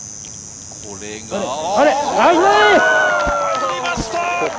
入りました！